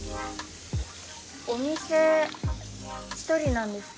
お店１人なんですか？